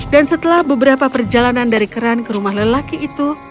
dan setelah beberapa perjalanan dari keran ke rumah lelaki itu